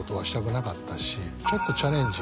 ちょっとチャレンジ